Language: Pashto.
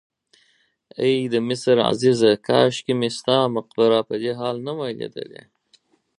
ای د مصر عزیزه کاشکې مې ستا مقبره په دې حال نه وای لیدلې.